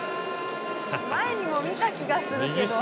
前にも見た気がするけど。